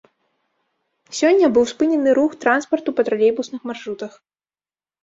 Сёння быў спынены рух транспарту па тралейбусных маршрутах.